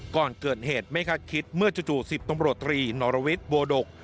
ก่อนเกิดเหตุไม่คัดคิดเมื่อจุดจู่สิบตำรวจตรีหนอรวิสโบโดก